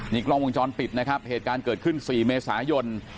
กล้องวงจรปิดนะครับเหตุการณ์เกิดขึ้น๔เมษายน